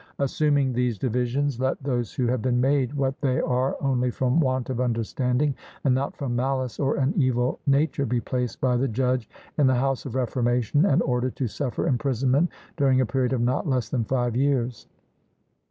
Assuming these divisions, let those who have been made what they are only from want of understanding, and not from malice or an evil nature, be placed by the judge in the House of Reformation, and ordered to suffer imprisonment during a period of not less than five years.